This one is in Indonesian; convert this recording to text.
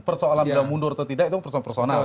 persoalan sudah mundur atau tidak itu persoalan personal